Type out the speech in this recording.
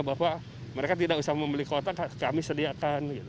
bahwa mereka tidak usah membeli kota kami sediakan